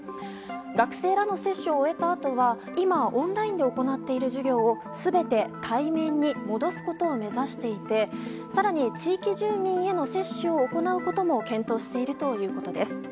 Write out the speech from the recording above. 学生らの接種を終えたあとは今、オンラインで行っている授業を全て対面に戻すことを目指していて更に、地域住民への接種を行うことも検討しているということです。